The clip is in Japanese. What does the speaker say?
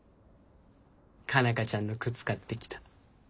佳奈花ちゃんの靴買ってきた。